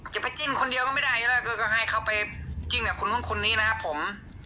ไปจิ้นคนเดียวก็ไม่ได้แล้วก็ให้เขาไปจิ้นกับคนนู้นคนนี้นะครับผม